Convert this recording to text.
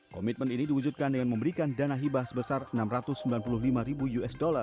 komitmen ini diwujudkan dengan memberikan dana hibah sebesar enam ratus sembilan puluh lima ribu usd